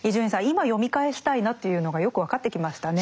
今読み返したいなというのがよく分かってきましたね。